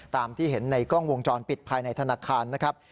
ตามที่เห็นในกล้องวงจรปิดภายในธนาคารนะครับ